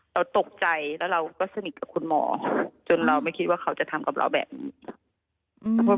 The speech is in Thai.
เราตกใจแล้วเราก็สนิทกับคุณหมอจนเราไม่คิดว่าเขาจะทำกับเราแบบนี้ค่ะ